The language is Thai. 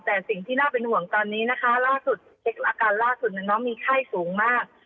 แต่สิ่งที่น่าเป็นห่วงตอนนี้นะคะอาการล่าสุดมีไข้สูงมาก